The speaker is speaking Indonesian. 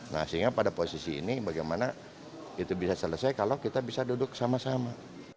nah sehingga pada posisi ini bagaimana itu bisa selesai kalau kita bisa duduk sama sama